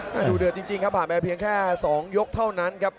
ดูเดือดจริงครับผ่านมาเพียงแค่๒ยกเท่านั้นครับ